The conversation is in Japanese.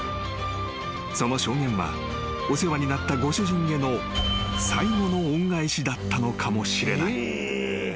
［その証言はお世話になったご主人への最後の恩返しだったのかもしれない］